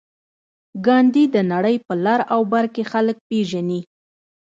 ګاندي د نړۍ په لر او بر کې خلک پېژني.